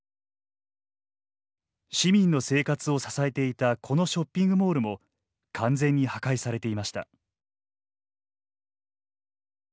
市民の生活を支えていたこのショッピングモールも完全に破壊されていました。